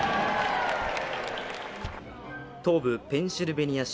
東部ペンシルベニア州